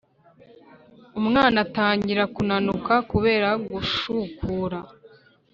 umwana atangira kunanuka kubera gushukura,